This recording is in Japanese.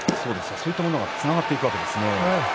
そういったものがつながっていくわけですね。